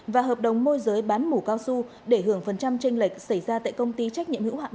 và hợp đồng môi giới bán mũ cao su để hưởng phần trăm tranh lệch xảy ra tại công ty trách nhiệm hữu hạn